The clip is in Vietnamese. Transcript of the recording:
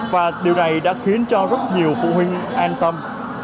và điều này đã khiến cho rất nhiều phụ huynh an tâm